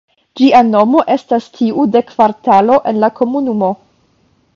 Ĝia nomo estas tiu de kvartalo en la komunumo.